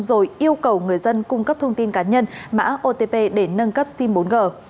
rồi yêu cầu người dân cung cấp thông tin cá nhân mã otp để nâng cấp sim bốn g